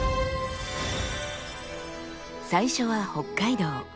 最初は北海道。